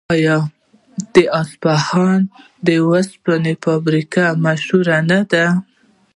آیا د اصفهان د وسپنې فابریکه مشهوره نه ده؟